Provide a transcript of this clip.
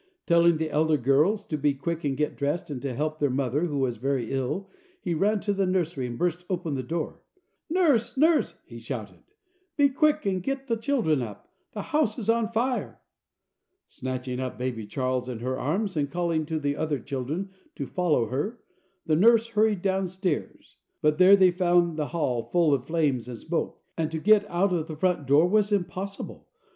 Telling the elder girls to be quick and get dressed and to help their mother, who was very ill, he ran to the nursery, and burst open the door. "Nurse, nurse!" he shouted, "be quick and get the children up, the house is on fire." Snatching up baby Charles in her arms, and calling to the other children to follow her, the nurse hurried down stairs. But there they found the hall full of flames and smoke, and to get out of the front door was impossible.